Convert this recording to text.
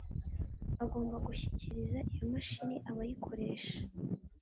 agomba gushyikiriza iyo mashini abayikoresha